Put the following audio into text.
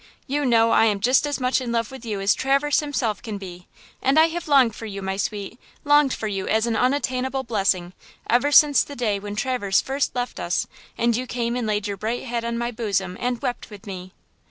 You know I am just as much in love with you as Traverse himself can be! And I have longed for you, my sweet, longed for you as an unattainable blessing, ever since the day when Traverse first left us, and you came and laid your bright head on my bosom and wept with me!"